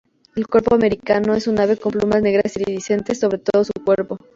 El cuervo americano es un ave con plumas negras iridiscentes sobre todo su cuerpo.